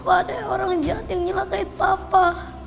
ada orang jahat yang nyelakai papa